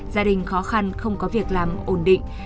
gia đình khó khăn không có việc làm ổn định